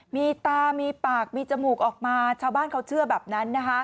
มีตามีปากมีจมูกออกมาชาวบ้านเขาเชื่อแบบนั้นนะคะ